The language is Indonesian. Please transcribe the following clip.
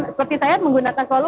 seperti saya menggunakan selalu